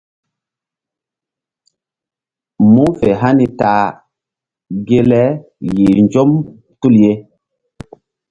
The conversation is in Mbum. Mu̧h fe hani ta ge le yih nzɔm tul ye.